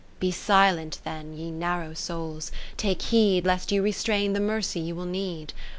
Be silent then, ye narrow souls, take heed Lest you restrain the Mercy you will need.